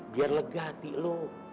biar lega hati lu